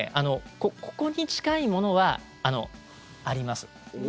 ここに近いものはあります。